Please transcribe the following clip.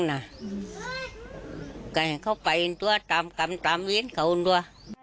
เขาก็เข้าไปตัวตามกรรมตามไปจะเอาหนัว